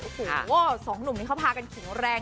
โอ้โหสองหนุ่มนี้เขาพากันแข็งแรง